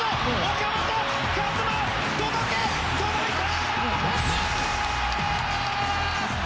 岡本和真、届け、届いた！